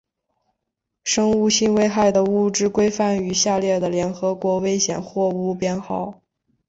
生物性危害的物质规范于下列的联合国危险货物编号